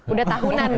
udah tahunan ya